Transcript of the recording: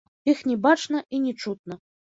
Іх не бачна і не чутно.